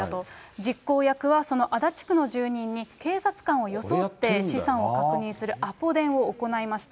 実行役はその足立区の住人に、警察官を装って資産を確認するアポ電を行いました。